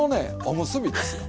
おむすびですよ。